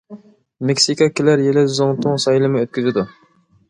مېكسىكا كېلەر يىلى زۇڭتۇڭ سايلىمى ئۆتكۈزىدۇ.